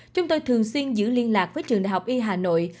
chúng tôi thường xuyên giữ liên lạc với trường đại học y hà nội